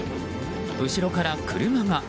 後ろから車が。